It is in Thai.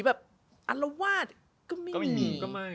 อัลละวาดก็ไม่มี